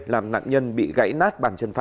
làm nạn nhân bị gãy nát